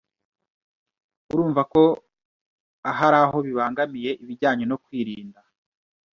urumva ko hari aho bibangamiye ibijyanye no kwirinda